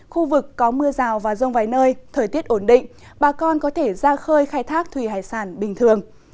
khu vực có mưa rào và rông vài nơi thời tiết ổn định bà con có thể ra khơi khai thác thủy hải sản bình thường